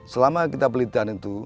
selama kita pelitian itu